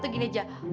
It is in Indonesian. atau gini ja